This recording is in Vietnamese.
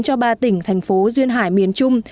cho ba tỉnh thành phố duyên hải miền trung